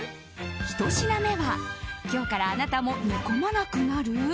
ひと品目は、今日からあなたも煮込まなくなる？